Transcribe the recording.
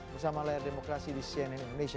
bersama layar demokrasi di cnn indonesia